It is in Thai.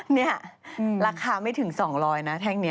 นี่ราคาไม่ถึง๒๐๐นะแท่งนี้